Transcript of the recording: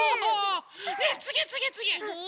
ねえつぎつぎつぎ！